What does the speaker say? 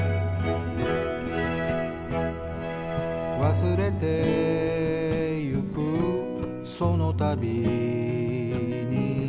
「忘れてゆくそのたびに」